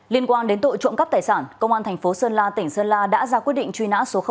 liên quan đến tội trộm cắp tài sản công an thành phố sơn la tỉnh sơn la đã ra quyết định truy nã số hai